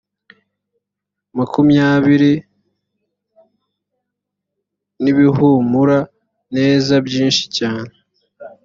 makumyabiri n ibihumura neza byinshi cyane